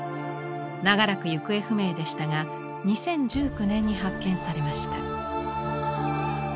長らく行方不明でしたが２０１９年に発見されました。